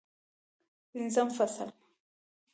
پنځم فصل